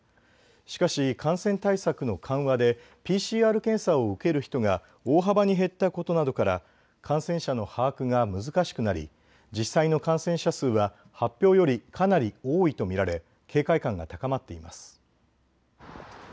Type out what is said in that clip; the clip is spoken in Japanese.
しかし感染対策の緩和でＰＣＲ検査を受ける人が大幅に減ったことなどから感染者の把握が難しくなり実際の感染者数は発表よりかなり多いと見られ警戒感が高まっています。